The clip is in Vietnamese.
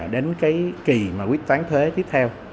đến cái kỳ mà quyết toán thuế tiếp theo